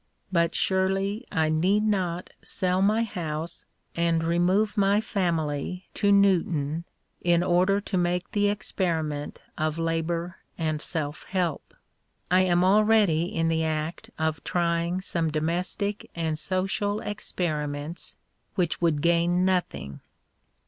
But surely I need not sell my house and remove my family to Newton in order to make the experiment of labour and self help. I am already in the act of trying some domestic and social experiments which would gain nothing.